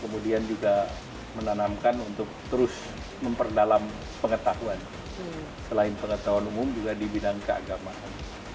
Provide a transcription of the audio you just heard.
kemudian juga menanamkan untuk terus memperdalam pengetahuan selain pengetahuan umum juga di bidang keagamaan